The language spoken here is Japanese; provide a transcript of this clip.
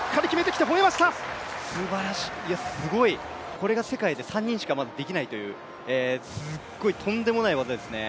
これが世界で３人しかできないというすっごい、とんでもない技ですね。